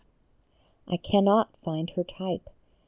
I cannot find her type.